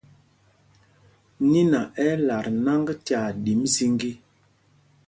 Niná ɛ́ ɛ́ lat nǎŋg tyaa ɗǐm zīgī.